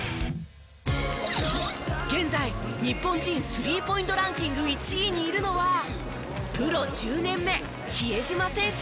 現在日本人スリーポイントランキング１位にいるのはプロ１０年目比江島選手。